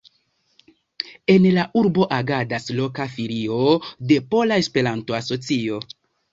En la urbo agadas loka Filio de Pola Esperanto-Asocio.